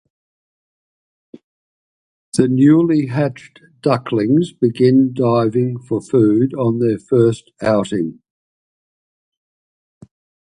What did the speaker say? The newly hatched ducklings begin diving for food on their first outing.